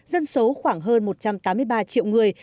dân số khoảng hơn một trăm tám mươi ba triệu người